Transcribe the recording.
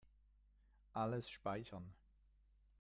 Alles speichern.